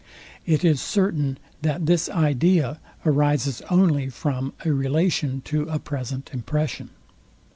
It is certain, that this idea arises only from a relation to a present impression.